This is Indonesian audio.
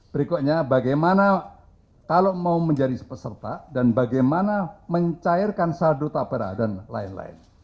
berikutnya bagaimana kalau mau menjadi peserta dan bagaimana mencairkan saldo tapera dan lain lain